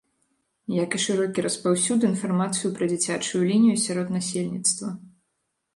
Як і шырокі распаўсюд інфармацыю пра дзіцячую лінію сярод насельніцтва.